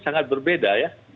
sangat berbeda ya